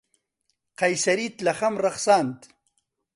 قەیسەریت لە خەم ڕەخساند.